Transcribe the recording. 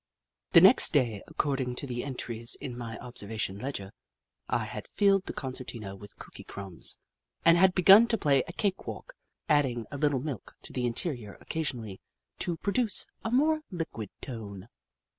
The next day, according to the entries in my observation ledger, I had filled the concertina w^ith cooky crumbs and had begun to play a cake walk, adding a little milk to the interior occasionally to produce a more liquid tone.